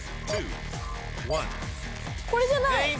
これじゃない？